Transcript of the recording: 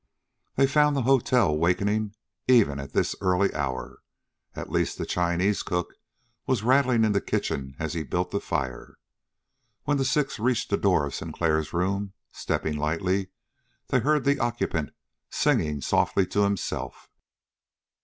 They found the hotel wakening even at this early hour. At least, the Chinese cook was rattling in the kitchen as he built the fire. When the six reached the door of Sinclair's room, stepping lightly, they heard the occupant singing softly to himself.